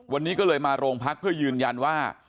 วันนี้ก็เลยมาโรงพักเพื่อยืนยันว่า